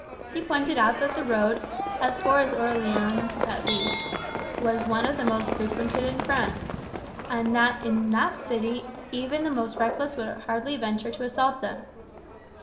He pointed out that the road, as far as Orleans at least, was one of the most frequented in France, and that in that city even the most reckless would hardly venture to assault them.